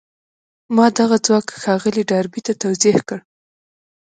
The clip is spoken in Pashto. ما دغه ځواک ښاغلي ډاربي ته توضيح کړ.